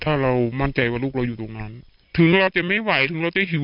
ถ้าเรามั่นใจว่าลูกเราอยู่ตรงนั้นถึงเราจะไม่ไหวถึงเราจะหิว